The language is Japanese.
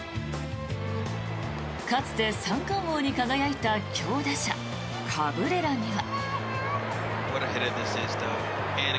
かつて三冠王に輝いた強打者カブレラには。